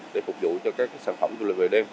để phục vụ cho các sản phẩm du lịch về đêm